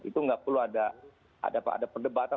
itu nggak perlu ada perdebatan